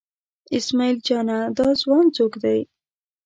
اسمعیل جانه دا ځوان څوک دی؟